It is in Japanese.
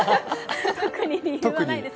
特に理由はないです。